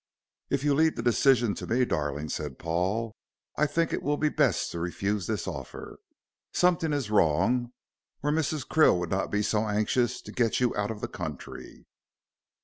"If you leave the decision to me, darling," said Paul, "I think it will be best to refuse this offer. Something is wrong, or Mrs. Krill would not be so anxious to get you out of the country."